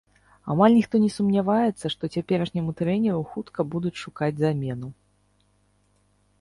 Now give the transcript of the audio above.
Амаль ніхто не сумняваецца, што цяперашняму трэнеру хутка будуць шукаць замену.